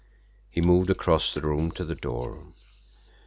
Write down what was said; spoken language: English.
He moved across the room to the door.